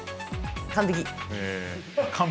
完璧。